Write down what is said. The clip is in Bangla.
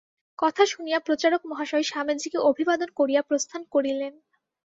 কথা শুনিয়া প্রচারক মহাশয় স্বামীজীকে অভিবাদন করিয়া প্রস্থান করিলেন।